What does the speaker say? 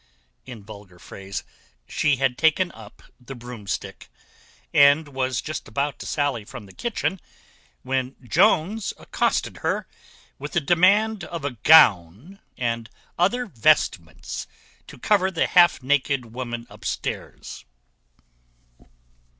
In vulgar phrase, she had taken up the broomstick, and was just about to sally from the kitchen, when Jones accosted her with a demand of a gown and other vestments, to cover the half naked woman upstairs.